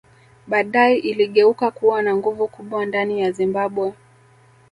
Badae iligeuka kuwa na nguvu kubwa ndani ya Zimbabwe